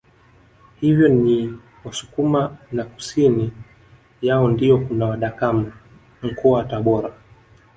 Hivyo ni Wasukuma na kusini yao ndio kuna wadakama Mkoa wa Tabora